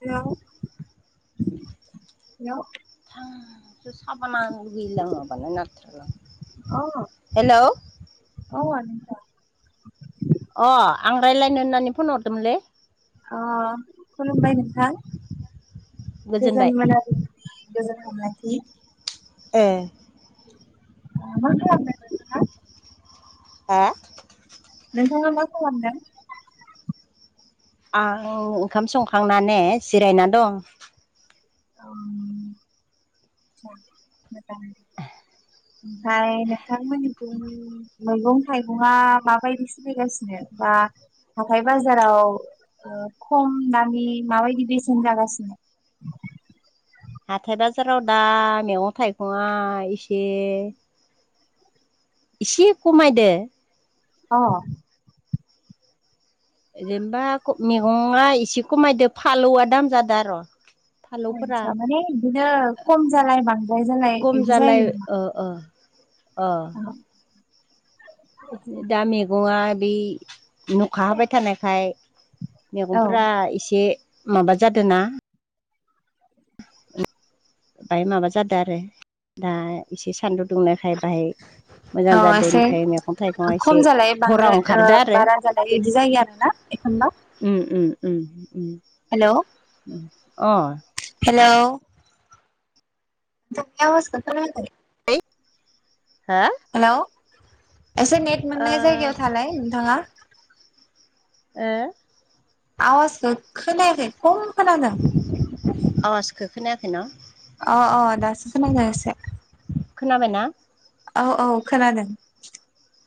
Hello! Hello! थां सो साबाना होनो लुुबगैयोलां माबा नायनो हाथ्रालां अह अह नोंथां अह आं रायज्लायनो होननानै फन हरदोंमोनलै अ खुलुमबाय नोंथां गोजोन गोजोनबाय मोनाबिलि। गोजोन हामलायथि ए ओ मा खालामदों? नोंथाङा हा नोंथाङा मा खालामदों? आं ओंखाम संखांनाने जिरायना दं। [inaudible] [unintelligible] ओमफ्राय नोंथां मोननिथिं मैगं थाइगङा माबायदि सोलिगासिनो बा हाथाय बाजाराव खम दामि माबायदि बेसेन जागासिनो हाथाय बाजाराव दा मैगं थाइगङा एसे एसे खमायदो अह जेनबा ख मैगङा एसे खमायदो फालौआ दाम जादो आर आस्सा माने बिदिनो खम जालाय बांद्राय जालाय बिदि जायो नामा? ओह अह दा मैगङा बै नुखाहाबाय थानायखाय औ मैगंफोरा एसे माबा जादों ना बाहाय माबा जादों आरो दा एसे सान्दुं दुंनायखाय बाहाय मोजां औ जादो एसे इनिखाय मैगं थाइगङा एसे भरा ओंखारदो आरो। दा बिदि जायो आरो ना एखनबा उम उम उम उम हेलौ! अह हेलौ! नोंथांनि आवजखो खोनायाखै [unintelligible] हा हेलौ! एसे नेट मोननाय ओ जायगायाव थालाय नोंथाङा। ओ आवाजखौ खोनायाखै खम खोनादों। आवाजखौ खोनायाखैना? अ अ दासो खोनादों एसे खोनाबायना? औ औ खोनादों।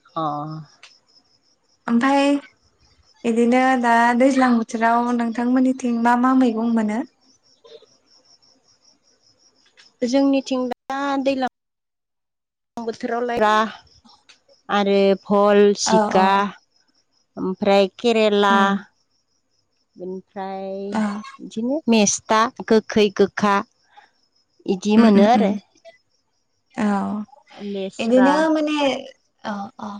अह ओमफ्राय बिदिनो दा दैज्लां बोथोराव नोंथांमोननिथिं मा मा मैगं मोनो? जोंनिथिं दा दैलां लां बोथोराव लाय, खुमब्रा आरो भल, औ औ जिखा ओमफ्राय केरेला उम बेनिफ्राय औ बिदिनो मेस्था गोखै गोखा यिदि उम उम मोनो उम आरो औ लेस्रा यिदिनो माने अह अह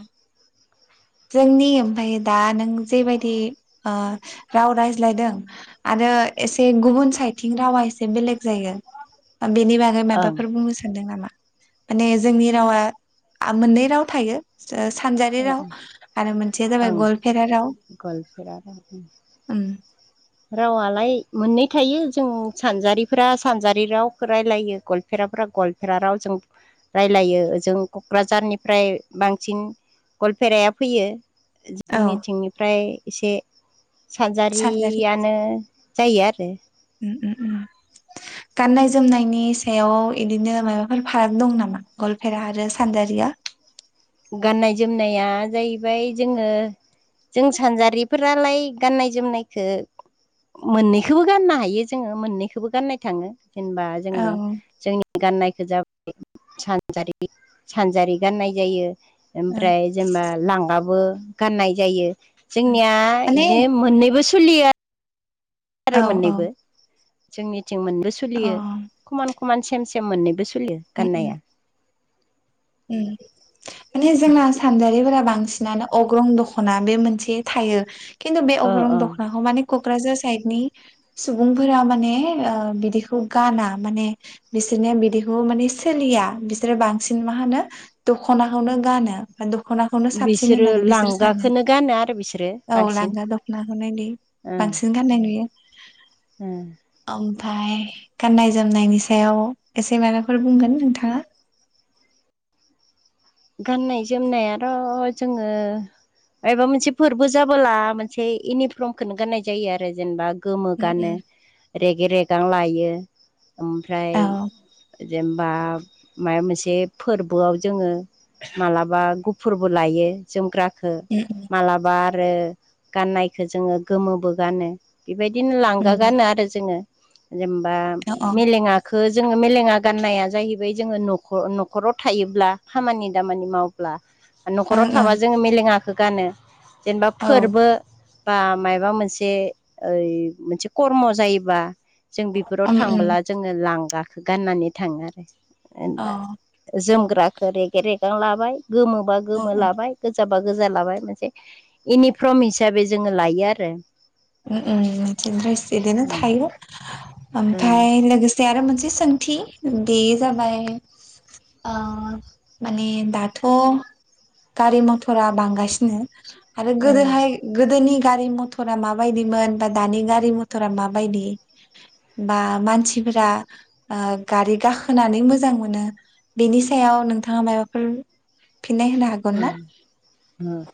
जोंनि ओमफ्राय दा नों जेबायदि राव रायज्लायदों। आरो एसे गुबुन साइदथिं रावा एसे बेलेग जायो बेनि बा आङो ओं माबाफोर बुंनो सानदों नामा माने जोंनि रावा मोननै राव थायो। सानजारि राव आरो मोनसेया जाबाय ओं गलपेरा राव। गवालपेरा उओम रावालाय मोननै थायो जों सानजारिफोरा सानजारि रावखौ रायलायो गल फेराफोरा गलफेरा राव जों रायलायो ओजों कक्राझारनिफ्राय बांसिन गलपेराया फैयो औ जोंनिथिंनिफ्राय एसे सानजारि सारजारियानो जायो आरो। उ उम उम। [unintelligible] गाननाय जोमनायनि सायाव बिदिनो माबाफोर फाराग दं नामा गलपेरा आरो सानजारिया गाननाय जोमनाया जाहैबाय जोङो जों सानजारिफोरालाय गाननाय जोमनायखौ मोननैखौबो गाननो हायो जोङो मोननैखौबो गाननाय थाङो जेनेबा औ जोङो ओ जोंनि गाननायखौ जाबाय सानजारि सानजारि गाननाय जायो। ओ ओमफ्राय जेनेबा लांगाबो गाननाय जायो जोंनिया माने बिदि मोननैबो सोलियो आरो औ औ मोननैबो जोंनिथिं मोननैबो अ सोलियो। खमान खमान सेम सेम मोननैबो सोलियो गाननाया उ माने जोंना सानजारिफोरा बांसिन बि अग्रं दख'ना बे मोनसे थायो किन्थु बे अ अग्रं अ दख'नाखौ माने क'क्राझार साइडनि सुबुंफोरा माने ओ बिदिखौ गाना माने बिसोरनि बिदिखौ माने सोलिया बिसोरो बांसिन मा होनो दख'नाखौनो गानो। दख'नाखौनो साबसिन बिसोरो होननानै बिसोर सानो लांगाखौनो गानो आरो बिसोरो औ बांसिन लांगा दख'नाखौनोदि बांसिन गाननाय नुयो। उ ओमफ्राय गाननाय जोमनायनि सायाव एसे माबाफोर बुंगोन नोंथाङा? गाननाय जोमनायाथ' जोङो मायबा मोनसे फोरबो जाबोला मोनसे इउनिफर्मखौनो गाननाय जायो आरो जेनेबा गोमो उम गानो उम रेगे रेगां लायो औ ओमफ्राय जेनेबा माबा मोनसे फोरबोआव जोङो मालाबा गुफुरबो लायो जोमग्राखौ। उम मालाबा आरो गाननायखौ जोङो गोमोबो गानो। बेबायदिनो उम लांगा उम गानो आरो जोङो जेनेबा औ मेलेङा जोङो मेलेङा गाननाया जाहैबाय जोङो नख न'खराव थायोब्ला खामानि दामानि माव न'खराव ओं थाबा ओं जोङो मेलेङखौ गानो जेनेबा औ फोरबो बा माबा मोनसे ओइ मोनसे खर्म जायोबा जों बेफोराव उम उम थांबोला जोङो लांगाखो गाननानै थाङो आरो औ एखमबा। जोमग्राखौ रेगे रेगां लाबाय गोमोबा गोमो लाबाय। गोजाबा गोजा लाबाय मोनसे इउनिफर्म हिसाबै जोङो लायो आरो। उम उम बिदिस बिदिनो उम थायो उम ओमफ्राय लोगोसे आरो मोनसे सोंथि दे जाबाय आ माने दाथ' गारि मथरा बांगासिनो आरो उम गोदोहाय गोदोनि गारि मथरा माबा माबायदिमोन बा दानि गारि मथरा माबायदि बा मानसिफोरा ओ गारि गाखोनानै मोजां मोनो बेनि सायाव नोंथाङा माबाफोर फिननाय होनो हागोनना? ह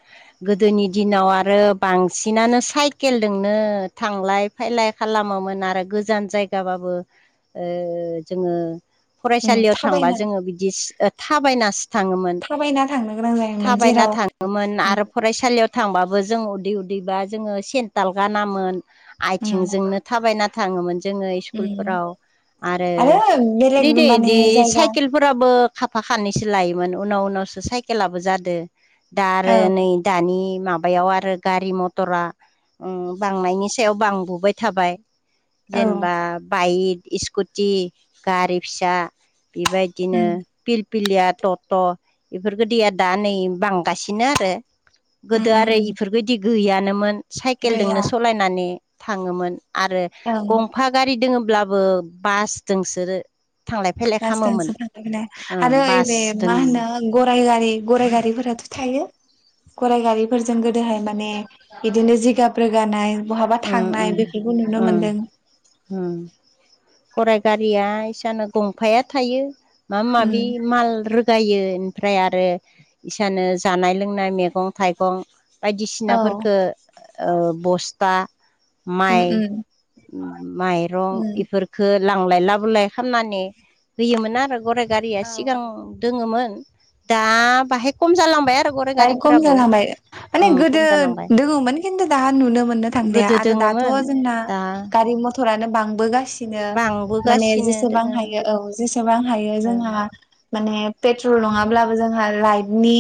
गोदोनि दिनाव आरो बांसिनानो साइकेल दोंनो थांलाय- फायलाय खालामोमोन आरो गोजान जायगाबाबो ओ जोङो उम फरायसालियाव थांबा थाबायना जोङो बिदि थाबायनासो थाङोमोन। थाबायना थांनो गोनां जायो। थाबायना थाङोमोन आरो फरायसालियाव थांबाबो जों उदै उदैबा जोङो सेन्थाल गानामोन। उम आयथिंजोंनो थाबायना थाङोमोन जोङो उम स्कुलफोराव आरो बेलेग दे दे माने दे जायगा साइकेल फोराबो खाफा खानैसो लायोमोन उनाव उनावसो साइकेलाबो जादो दा औ आरो नै दानि माबायाव आरो गारि मथरा ओ बांनायनि सायाव बांबोबाय थाबाय। औ जेनेबा बाइक स्कुटि गारि फिसा बेबायदिनो उम पिरपिलिया त' त' इफोरबायदिया दा नै बांगासिनो आरो उम गोदो उम आरो उम इफोरबायदि गैयानोमोन। गैया साइकेलजोंनो सालायनानै थाङोमोन आरो औ गंफा- गारि दङोलाबो बास दोंसो थांलाय- फैलाय बास खालामोमोन दोंसो थांलाय-फैलाय आरो ओ बे मा होनो गराइ गारि गराइ गारि [unintelligible] थायो। गरायगारिफोरजों गोदोहाय माने बिदिनो जिगाब रोगानाय बहाबा ओम थांनाय बेफोरखौ नुनो मोन्दों। उम गराय गारिया इसानो गंफाया थायो। माबा-माबि उम माल रो- गायो ओमफ्राय आरो इसानो जानाय-लोंनाय मैगं-थाइगं औ बायदिसिनाफोरखो ओ बस्था उम माइ-माइरं उम इफोर- खो लांलाय लाबोलाय खालामनानै होयोमोन आरो गराय गारिया औ सिगां औ दोङोमोन दा बाहाय खम जालांबाय आरो गराइ फ्राय खम गारिफोराबो जालांबाय माने उम गोदो खम जालांबाय। दोङोमोन खिन्थु दाहा नुनो मोननो थांलिया गोदो आरो दाथ' दोङोमोन जोंना दा गारि मथरानो बांबोगासिनो नो माने बांबोगासिनो जेसेबां दोङो हायो औ जेसेबां हायो ओ जोंहा माने पेट्रल नङाब्लाबो जोंहा लाइटनि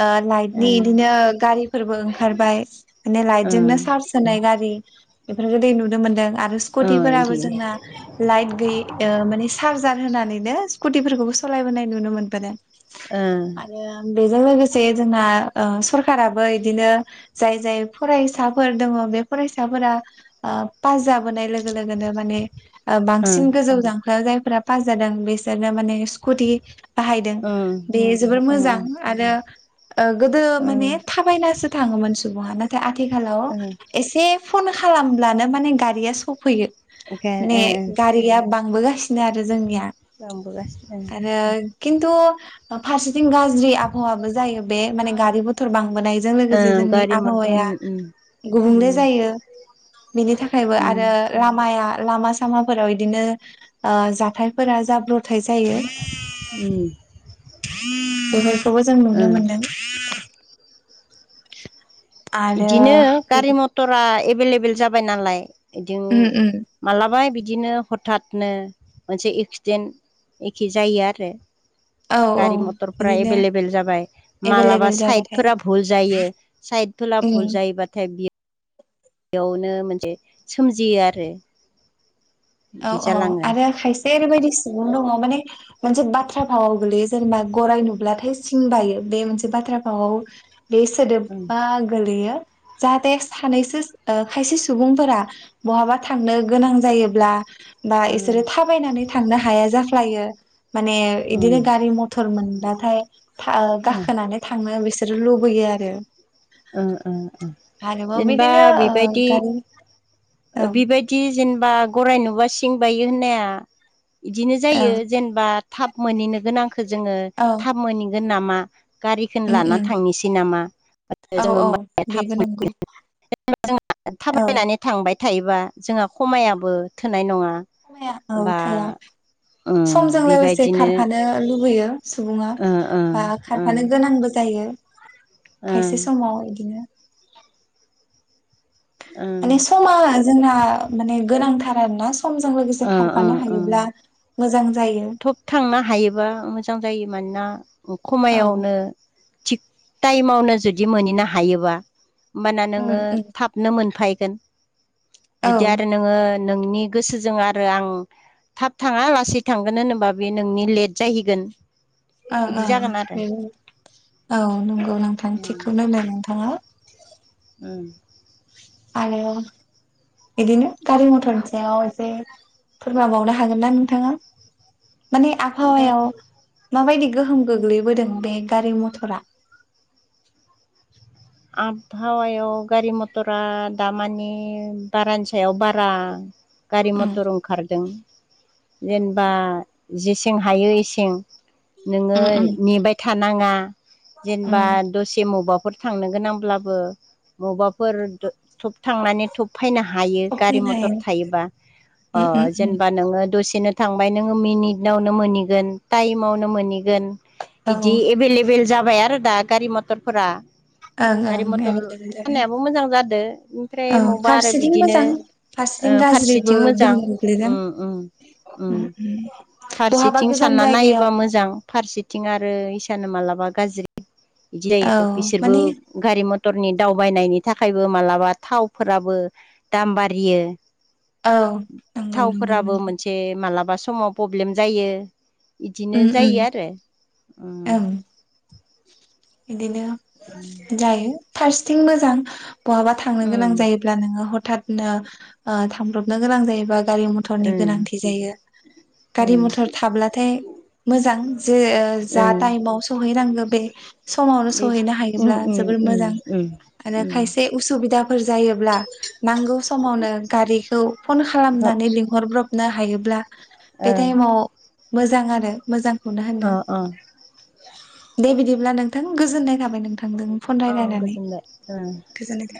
ओ ओ लाइटनि इदिनो गारिफोरबो ओंखारबाय माने लाइट ओं जोंनो सार्ज होनाय गारि बेफोरफोरखौ दै नुनो मोन्दों आरो स्कुटिफोराबो जोंना लाइट गैयि ओ माने चार्जार होनानैनो स्कुटिफोरखौबो सालायबोनाय नुनो मोनबोदों। आरो बेजों लोगोसे जोंना ओ सरखाराबो बिदिनो जाय जाय फरायसाफोर दङ बे फरायसाफोरा ओ पाज जाबोनाय लोगो लोगोनो माने ओ बांसिन गोजौ जांखायाव जायफोरा पास जादों बिसोरनो माने स्कुटि बाहायदों बे जोबोर मोजां आरो ओ गोदो माने थाबायनासो थाङोमोन सुबुङा नाथाय आथिखालाव एसे फन खालामब्लानो माने गारिया सौफैयो। माने गारिया बांबोगासिनो आरो जोंनिया लांबोगासिनो आरो खिन्थु फारसेथिं गाज्रि आबहावाबो जायो बे माने गारि-मथर बांबोनाय जों लोगोसे ओ जोंनि गारि मथ आबहावाया उम उम गुबुंले उम जायो। बेनि थाखायबो उम आरो लामाया लामा-सामाफोराव बिदिनो ओ जाथायफोरा जाब्रब थाय जायो उम बेफोरखौबो जों ओ नुनो मोन्दों। [inaudible] आरो बिदिनो बिदि गारि-मथरा एभेलेबेल जाबाय नालाय बिदिनो उम उम मालाबा बिदिनो हथादनो मोनसे एक्सिडेन्ट एखे जायो आरो औ औ गारि-मथरफ्रा बिदिनो एभेलेबेल जाबाय। मालाबा एभेलेबेल जाबाथाय साइदफोरा भुल जायो साइदफोरा भुल उम जायोबाथाय बियो बेयावनो मोनसे सोमजियो आरो औ बिदि औ जालाङो आरो खायसेया ओरैबायदि सुबुं दङ माने मोनसे बाथ्रा फावआव गोलैयो जेनेबा गराइ नुब्लाथाय सिं बायो बे मोनसे बाथ्रा फावआव बे ओं सोदोबा गोलैयो जाहाथे सानैसो खायसे सुबुंफोरा बहाबा थांनो गोनां जायोब्ला बा ओं इसोरो थाबायनानै थांनो हाया जाफ्लायो। माने ओं बिदिनो गारि-मथर मटर मोनबाथाय ओं गाखोनानै थांनो बिसोरो लुबैयो आरो। ओ ओ ओ आरोबाव जेनेबा बिदिनो ओ बेबायदि गारि औ बेबायदि [unintelligible] जेनेबा गराइ नुबा सिं बायो होननाया बिदिनो औ जायो जेनेबा थाब मोनहैनो गोनांखौ जोङो औ थाब मोनहैगोन नामा गारिखौनो उम उम लानानै थांनोसै नामा [unintelligible] औ औ बेबो नंगौ औ थाबायनानै थांबाय थायोबा जोंहा खमायाबो थोनाय नङा ओं बा थोआ ओं समजों लोगोसे बेबायदिनो खारखानो लुबैयो सुबुङा ओ ओ बा ओ खारफानो गोनांबो जायो ओ खायसे समाव बिदिनो ओ माने समा जोंना माने गोनांथार आरोना समजों लोगोसे ओ ओ खारफानो ओ हायोब्ला मोजां जायो [unintelligible] थांनो हायोबा मोजां जायो मानोना औ खमायावनो थिग टाइमावनो जुदि मोनहैनो हायोबा होमबाना उम नोङो उम थाब नो मोनफैगोन औ जुदि आरो ओं नोङो नोंनि गोसोजों आरो आं थाब थाङालासै थां मानो होनबा बे नोंनि लेट जाहैगोन औ बिदि औ जागोन आरो बेबो औ नंगौ नोंथां थिगखौनो होनदों नोंथाङा ओम आरो बिदिनो गारि मथरनि सायाव एसे फोरमायबावनो हागोन ना नोंथाङा माने आबहावायाव गारि माबायदि गोहोम गोग्लैबोदों बे गारि मथरा आबहावायाव गारि मथरा दामानि बारानि सायाव बारा गारि उम मथर ओंखारदों जेनेबा जेसें हायो एसें नोङो उम उम नेबाय थानाङा जेनेबा फैनो दसे बबाफोर थांनो गोनांब्लाबो बबाफोर [unintelligible] थांनानै थब फैनो हायो गारि मथर हायो थायोबा ओ उम उम जेनेबा नोङो दसेनो थांबाय नोङो मिनिटआवनो मोनहैगोन टाइमावनो मोनहैगोन औ इदि एभेलेबेल जाबाय आरो दा गारि मथरफोरा ओं गारि ओं मथर एभेलेबेल जाबाय थानायाबो मोजां जादो ओमफ्राय औ बबावबा आरो फारसेथिं बिदिनो मोजां ओ फारसेथिं गाज्रिबो फारसेथिं मोजां गोहोम गोग्लैदों ओम ओम ओम उम उम बहाबा फारसेथिं गोजान सानना जायगायाव नायोबा मोजां फारसेथिं आरो इसानो मालाबा गाज्रि बिदि औ जायो बिसोरबो माने गारि मथरनि दावबायनायनि थाखायबो मालाबा थावफ्राराबो दाम बारियो औ नंगौ नंगौ थावफ्राराबो नंगौ। मोनसे [unintelligible] मालाबा समाव प्रब्लेम जायो इदिनो उम उम जायो आरो ओम ओं बिदिनो ओ जायो फारसेथिं मोजां बहाबा थांनो गोनां जायो ब्ला नोङो हथादनो ओ थांब्रबनो गोनां जायोबा गारि मथरनि ओ गोनांथि जायो गारि मथर थाब्लाथाय मोजां जे ओ जा टाइमाव सहैनांगौ बे समावनो बे सहैनो उम हायोब्ला उम जोबोर उम मोजां उम आरो उम खायसे उसुबिदाफोर जायोब्ला नांगौ समावनो गारिखौ फन ओ खालामनानै लिंहरब्रब नो हायोब्ला अ बे टाइमाव मोजां आरो मोजांखौनो होनो औ दे बिदिब्ला नोंथां गोजोननाय थाबाय नोंथांजों फन औ रायलायनानै गोजोनबाय ओ गोजोननाय थाबाय